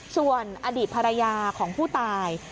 ส่วนอดีตภรรยาของผู้ตาย